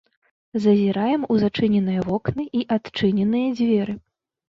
Зазіраем у зачыненыя вокны і адчыненыя дзверы.